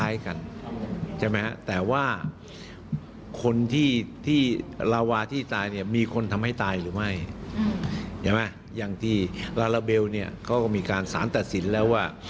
อย่างที่ราลาเบลเขาก็มีการสานตัดสินแล้วว่า